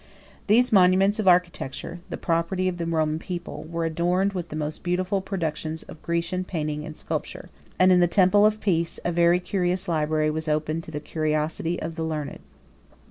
72 These monuments of architecture, the property of the Roman people, were adorned with the most beautiful productions of Grecian painting and sculpture; and in the temple of Peace, a very curious library was open to the curiosity of the learned.